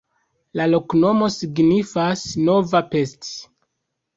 La loknomo signifas: nova Pest.